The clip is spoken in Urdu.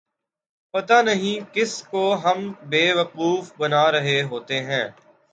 پتہ نہیں کس کو ہم بے وقوف بنا رہے ہوتے ہیں۔